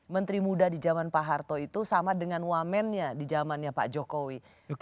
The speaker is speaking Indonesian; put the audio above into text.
menteri muda di zaman pak harto itu sama dengan wamennya di zamannya pak jokowi